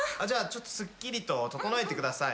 すっきりと整えてください。